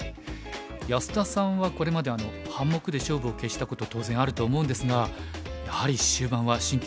安田さんはこれまで半目で勝負を決したこと当然あると思うんですがやはり終盤は神経使うんでしょうか？